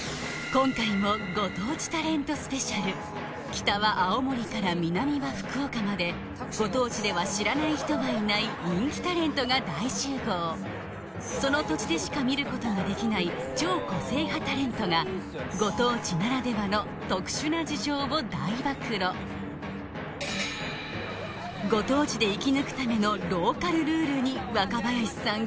今回も北は青森から南は福岡までご当地では知らない人はいない人気タレントが大集合その土地でしか見ることができない超個性派タレントがご当地ならではの特殊な事情を大暴露ご当地で生き抜くためのローカルルールに若林さん